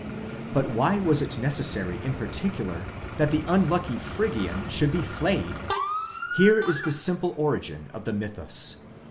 But why was it necessary in particular that the un lucky Phrygian should be flayed? Here is the simple origin of the mythus.